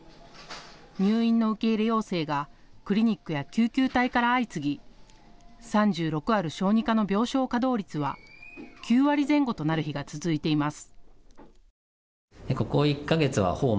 入院の受け入れ要請がクリニックや救急隊から相次ぎ３６ある小児科の病床稼働率は９割前後となる日が続いています。